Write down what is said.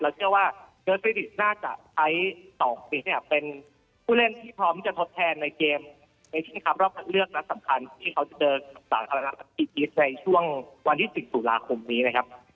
แล้วเชื่อว่าเกิร์ตฟรีฟิตน่าจะไทยสองปีเนี่ยเป็นผู้เล่นที่พร้อมที่จะทดแทนในเกมเอเชนครับรอบคันเลือกและสำคัญที่เขาจะเดินต่างจากธนาคตอีกอีกในช่วงวันที่สิบศูนาคมนี้นะครับ